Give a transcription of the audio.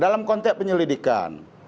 dalam konteks penyelidikan